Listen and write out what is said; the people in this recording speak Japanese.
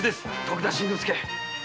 徳田新之助。